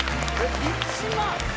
１万？